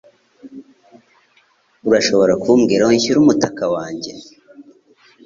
Urashobora kumbwira aho nshyira umutaka wanjye?